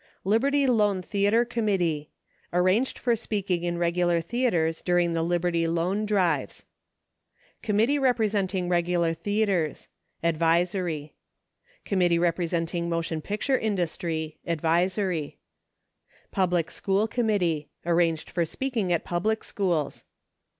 Liberty Loan Theatre Committee. Arranged for speaking in regu lar theatres during the Liberty Loan drives. Committee Representing Regular Theatres. Advisory. 15 Committee Representing Motion Picture Industry. Adrisory. Public School Committee. Arranged for speaking at public schools.